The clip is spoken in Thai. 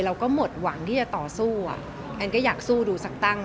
เราก็หมดหวังที่จะต่อสู้อ่ะแอนก็อยากสู้ดูสักตั้ง